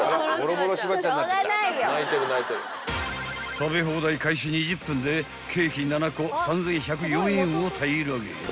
［食べ放題開始２０分でケーキ７個３，１０４円を平らげ